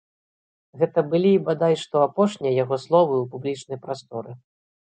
Гэта былі, бадай што, апошнія яго словы ў публічнай прасторы.